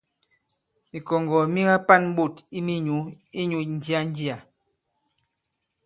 Mìkɔ̀ŋgɔ̀ mi ka-pa᷇n ɓôt i minyǔ inyū ǹjia-njià.